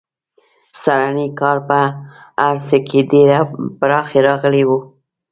سږنی کال په هر څه کې ډېره پراخي راغلې وه.